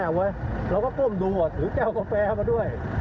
เราก็ก้มดูถือแก้วกาแฟมาด้วย